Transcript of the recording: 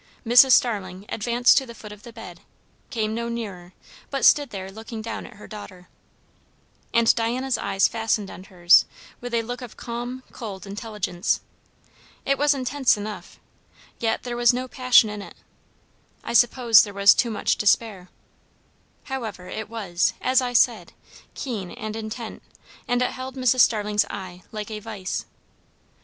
Mrs. Starling advanced to the foot of the bed, came no nearer, but stood there looking down at her daughter. And Diana's eyes fastened on hers with a look of calm, cold intelligence. It was intense enough, yet there was no passion in it; I suppose there was too much despair; however, it was, as I said, keen and intent, and it held Mrs. Starling's eye, like a vice.